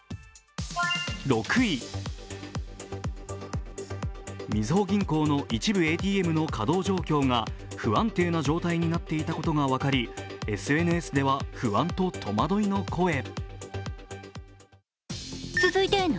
６位、みずほ銀行の一部ＡＴＭの稼働状況が不安定な状態になっていたことが分かりＳＮＳでは不安と戸惑いの声。